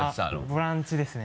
ボランチですね。